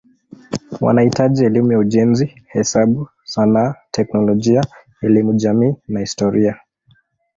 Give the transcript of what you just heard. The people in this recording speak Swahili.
Wanahitaji elimu ya ujenzi, hesabu, sanaa, teknolojia, elimu jamii na historia.